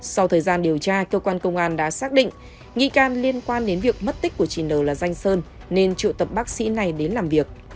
sau thời gian điều tra cơ quan công an đã xác định nghi can liên quan đến việc mất tích của chị nờ là danh sơn nên triệu tập bác sĩ này đến làm việc